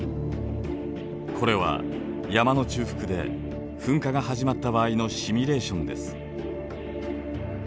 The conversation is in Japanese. これは山の中腹で噴火が始まった場合のシミュレーションです。